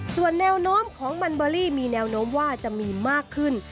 ส่วนแนวโน้มของมันเบอรี่มีแนวโน้มว่าจะมีมากขึ้น